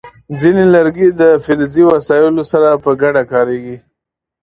ځینې لرګي د فلزي وسایلو سره په ګډه کارېږي.